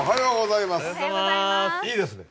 いいですね